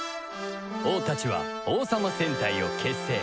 王たちは王様戦隊を結成